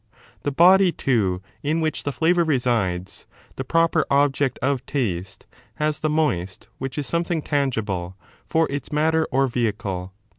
The body, too, in which the flavour resides, the proper object of taste, has the moist, which is something tangible, for its has no ... external matter or vehicle.